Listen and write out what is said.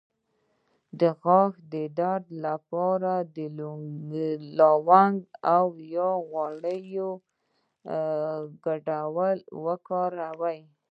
د غاښ د درد لپاره د لونګ او غوړیو ګډول وکاروئ